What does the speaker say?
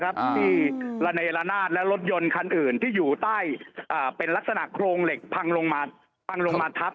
ที่ระเนละนาดและรถยนต์คันอื่นที่อยู่ใต้เป็นลักษณะโครงเหล็กพังลงมาพังลงมาทับ